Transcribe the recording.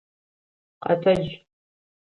Къэтэдж!